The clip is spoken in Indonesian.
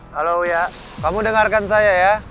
halo ya kamu dengarkan saya ya